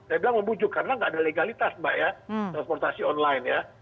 saya bilang membujuk karena nggak ada legalitas mbak ya transportasi online ya